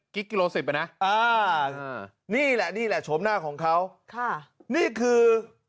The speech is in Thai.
กิโลสิบอ่ะนะอ่านี่แหละนี่แหละโฉมหน้าของเขาค่ะนี่คือ